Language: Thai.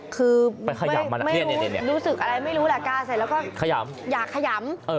คือไม่รู้รู้สึกอะไรไม่รู้แหละกาเสร็จแล้วก็อยากขยำ